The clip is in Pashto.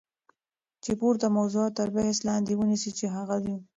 چی پورته موضوعات تر بحث لاندی ونیسی چی هغه د